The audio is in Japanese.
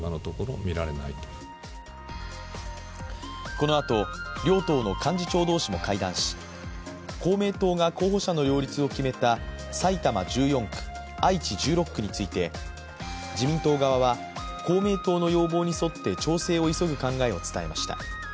このあと両党の幹事長同士も会談し公明党が候補者の擁立を決めた埼玉１４区、愛知１６区について自民党側は公明党の要望に沿って調整を急ぐ考えを伝えました。